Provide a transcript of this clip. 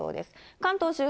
関東周辺